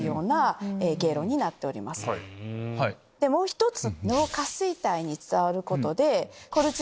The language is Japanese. もう１つ。